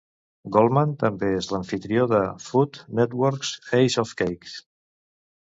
Goldman també és l'amfitrió de "Food Network's Ace of Cakes".